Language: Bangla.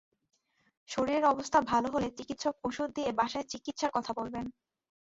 শরীরের অবস্থা ভালো হলে চিকিৎসক ওষুধ দিয়ে বাসায় চিকিৎসার কথা বলবেন।